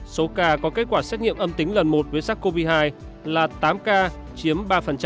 số ca có kết quả xét nghiệm âm tính lần một với sắc covid một mươi chín là tám ca chiếm ba